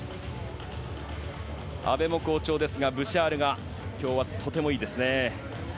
阿部も好調ですが、ブシャールが今日はとてもいいですね。